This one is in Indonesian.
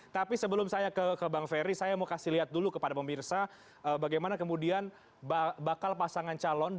tapi sebelum saya ke bang ferry saya mau kasih lihat dulu kepada pemirsa bagaimana kemudian bakal pasangan calon